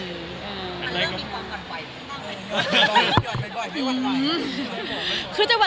มันเริ่มมีความหวัดหวัยขึ้นมากเลย